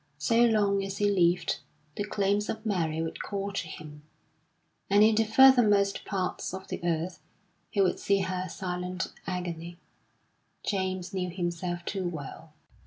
So long as he lived, the claims of Mary would call to him, and in the furthermost parts of the earth he would see her silent agony. James knew himself too well.